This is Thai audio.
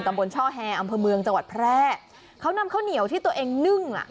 ตำบลช่อแฮอำเภอเมืองจังหวัดแพร่เขานำข้าวเหนียวที่ตัวเองนึ่งอ่ะ